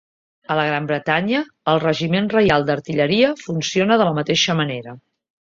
A la Gran Bretanya, el Regiment Reial d'Artilleria funciona de la mateixa manera.